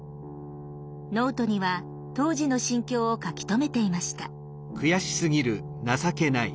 ノートには当時の心境を書き留めていました。